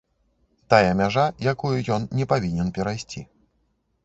Тая мяжа, якую ён не павінен перайсці.